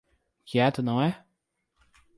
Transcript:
Quieto, não é?